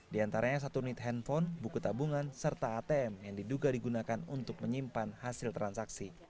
di antaranya satu unit handphone buku tabungan serta atm yang diduga digunakan untuk menyimpan hasil transaksi